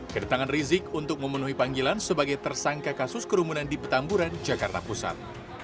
kedatangan rizik untuk memenuhi panggilan sebagai tersangka kasus kerumunan di petamburan jakarta pusat